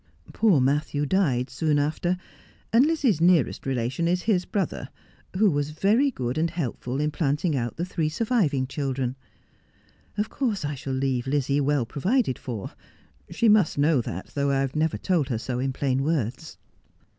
Poor Matthew died soon after, and Lizzie's nearest relation is his brother, who was very good and helpful in planting out the three surviving children. Of course I shall leave Lizzie well provided for. She must know that, though I have never told her so in plain words.'